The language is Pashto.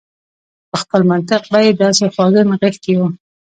په خپل منطق به يې داسې خواږه نغښتي و.